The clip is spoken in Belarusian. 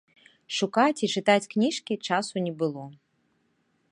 Шукаць і чытаць кніжкі часу не было.